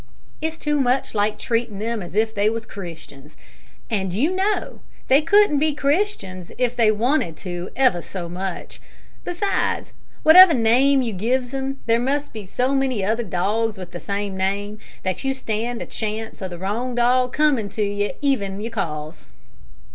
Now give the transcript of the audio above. It's too much like treatin' them as if they wos Christians; and, you know, they couldn't be Christians if they wanted to ever so much. Besides, wotever name you gives 'em, there must be so many other dogs with the same name, that you stand a chance o' the wrong dog comin' to 'e ven you calls."